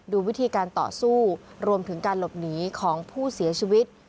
ดูวิธีการต่อสู้รวมถึงการหลบหนีของผู้เสียชีวิต